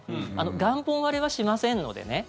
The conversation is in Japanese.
元本割れはしませんのでね。